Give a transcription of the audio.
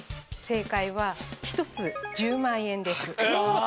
正解は１つ１０万円です。